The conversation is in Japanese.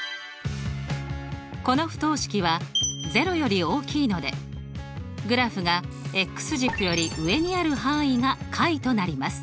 この不等式は０より大きいのでグラフが軸より上にある範囲が解となります。